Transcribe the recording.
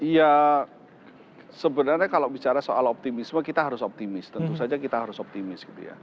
ya sebenarnya kalau bicara soal optimisme kita harus optimis tentu saja kita harus optimis gitu ya